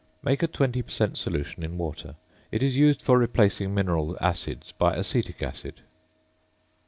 Make a 20 per cent. solution in water. It is used for replacing mineral acids by acetic acid.